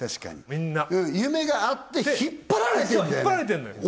みんな夢があって引っ張られてんだよね